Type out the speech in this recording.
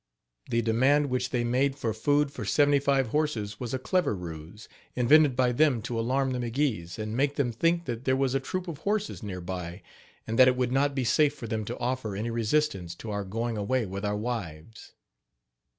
The demand which they made for food for seventy five horses was a clever ruse, invented by them to alarm the McGees, and make them think that there was a troop of horses near by, and that it would not be safe for them to offer any resistance to our going away with our wives.